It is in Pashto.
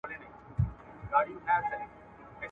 زه به سبا واښه راوړم وم؟